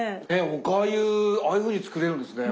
おかゆああいうふうに作れるんですね。